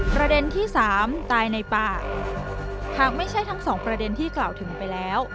ประเด็นที่สามตายในป่าหากไม่ใช่ทั้งสองประเด็นที่กล่าวถึงไปแล้ว